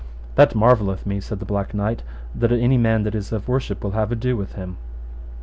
That marvelleth me, said the Black Knight, that any man that is of worship will have ado with him.